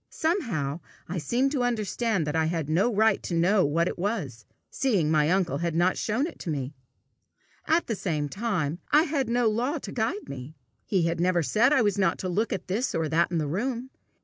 Somehow I seemed to understand that I had no right to know what it was, seeing my uncle had not shown it me! At the same time I had no law to guide me. He had never said I was not to look at this or that in the room.